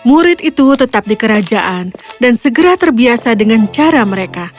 murid itu tetap di kerajaan dan segera terbiasa dengan cara mereka